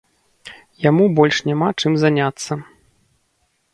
Яму больш няма чым заняцца.